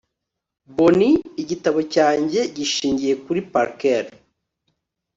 bonnie, igitabo cyanjye gishingiye kuri parker